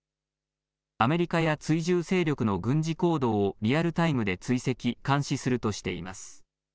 アメリカや追従勢力の軍事行動をリアルタイムで追跡・監視するとしています。